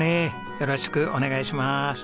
よろしくお願いします。